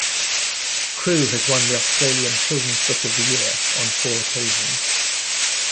Crew has won the Australian Children's Book of the Year on four occasions.